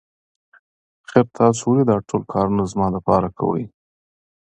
آخر تاسو ولې دا ټول کارونه زما لپاره کوئ.